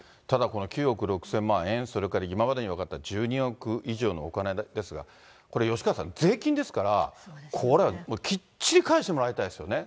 この９億６０００万円、それから今までに分かった１２億以上のお金ですが、これ、吉川さん、税金ですから、これはきっちり返してもらいたいですよね。